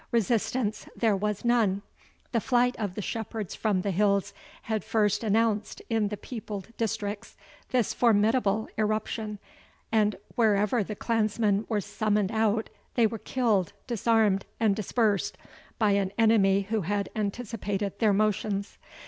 Resistance there was none. The flight of the shepherds from the hills had first announced in the peopled districts this formidable irruption, and wherever the clansmen were summoned out, they were killed, disarmed, and dispersed, by an enemy who had anticipated their motions.